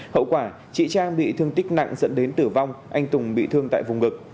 hậu quả chị trang bị thương tích nặng dẫn đến tử vong anh tùng bị thương tại vùng ngực